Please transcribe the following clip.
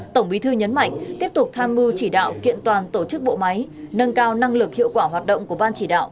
tổng bí thư nhấn mạnh tiếp tục tham mưu chỉ đạo kiện toàn tổ chức bộ máy nâng cao năng lực hiệu quả hoạt động của ban chỉ đạo